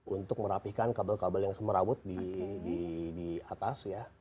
untuk merapikan kabel kabel yang semerawut di atas ya